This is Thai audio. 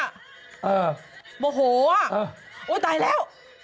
ตบจริงอ่ะตบหน้าหันบ่โหอ่ะโอ๊ยตายแล้ว